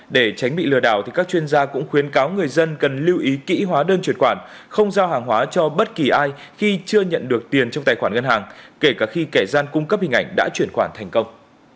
để tránh bị lừa đảo các chuyên gia cũng khuyến cáo người dân cần lưu ý kỹ hóa đơn truyền khoản không giao hàng hóa cho bất kỳ ai khi chưa nhận được tiền trong tài khoản ngân hàng kể cả khi kẻ gian cung cấp hình ảnh đã chuyển khoản thành công